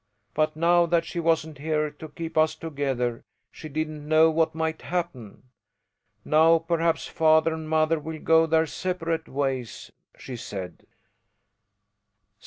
But now that she wasn't here to keep us together she didn't know what might happen, 'Now perhaps father and mother will go their separate ways,' she said."